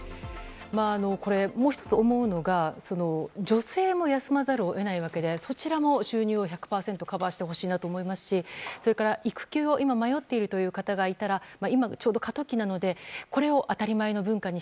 もう１つ思うのが女性も休まざるを得ないわけでそちらも収入を１００％カバーしてほしいなと思いますしそれから育休を今、迷っているという方がいたら今がちょうど過渡期なのでこれを当たり前の文化に